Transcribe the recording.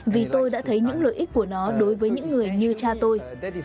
vì tôi đã thấy những lợi ích của nó đối với những người như cha tôi